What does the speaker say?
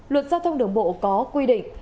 luật giao thông đường bộ có quy định